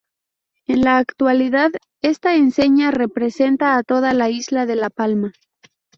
En la actualidad, esta enseña representa a toda la isla de La Palma.